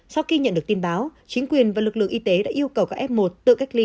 sau khi nhận được tin báo chính quyền và lực lượng y tế đã yêu cầu các f một tự cách ly